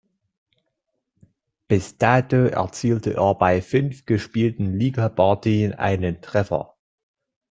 Bis dato erzielte er bei fünf gespielten Ligapartien einen Treffer.